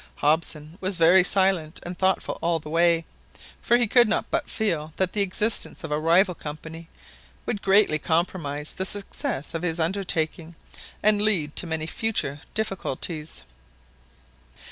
Hobson was very silent and thoughtful all the way; for he could not but feel that the existence of a rival company would greatly compromise the success of his undertaking, and lead to many future difficulties.